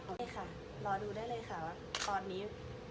นี่ค่ะรอดูได้เลยค่ะว่าตอนนี้